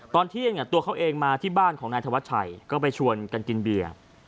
ตอนเที่ยงตัวเขาเองมาที่บ้านของนายธวัชชัยก็ไปชวนกันกินเบียร์